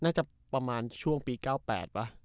น่าจะประมาณช่วงปี๙๘ป่ะ